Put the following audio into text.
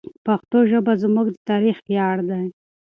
پښتو ژبه زموږ د تاریخ ویاړ دی.